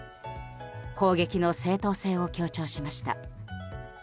攻撃の正当性を強調しました。